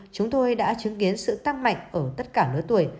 chúng tôi đã chứng kiến sự tăng mạnh ở tất cả lứa tuổi